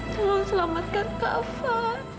tolong selamatkan kava